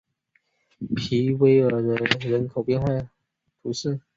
皮伊韦尔人口变化图示